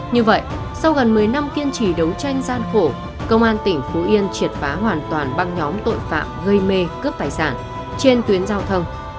như vậy sau gần một mươi năm kiên trì đấu tranh gian khổ công an tỉnh phú yên triệt phá hoàn toàn băng nhóm tội phạm gây mê cướp tài sản trên tuyến giao thông